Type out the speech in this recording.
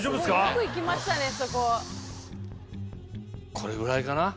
これぐらいかな？